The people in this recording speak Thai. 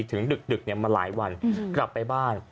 ดึกมาหลายวันกลับไปบ้าน